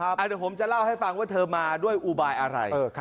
เดี๋ยวผมจะเล่าให้ฟังว่าเธอมาด้วยอุบายอะไร